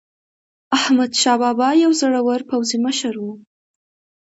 احمدشاه بابا یو زړور پوځي مشر و.